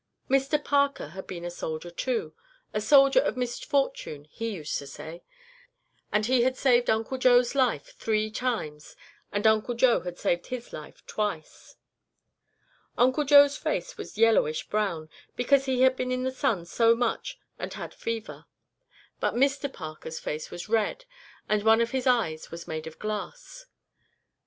Mr Parker had been a soldier too a soldier of misfortune, he used to say and he had saved Uncle Joe's life three times, and Uncle Joe had saved his life twice. Uncle Joe's face was yellowish brown, because he had been in the sun so much and had fever; but Mr Parker's face was red, and one of his eyes was made of glass.